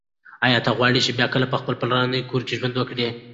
ایا ته غواړې چې بیا کله په خپل پلرني کور کې ژوند وکړې؟